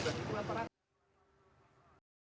pasokan dari daerah itu bisa diperlukan